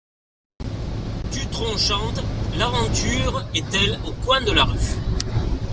Dutronc chante: L’aventure est-elle au coin de la rue?